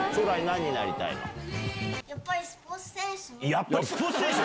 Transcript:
やっぱりスポーツ選手